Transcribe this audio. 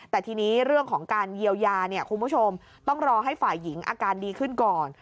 แต่ทีนี้เรื่องของการเยียวยาเนี่ยคุณผู้ชมต้องรอให้ฝ่ายหญิงอาการดีขึ้นก่อน